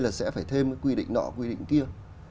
là sẽ phải thêm cái quy định nọ quy định kia